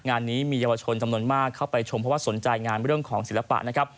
งานนี้มีเยาวชนจำนวนมากเข้าไปชมเพราะว่าสนใจงานเรื่องของศิลปะนะครับ